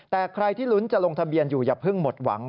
แต่ใครที่ลุ้นจะลงทะเบียนอยู่อย่าเพิ่งหมดหวัง